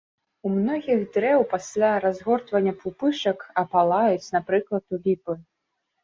У многіх дрэў пасля разгортвання пупышак апалаюць, напрыклад, у ліпы.